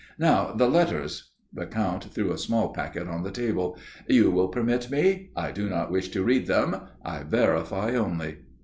Now, the letters " The Count threw a small packet on the table. "You will permit me? I do not wish to read them. I verify only.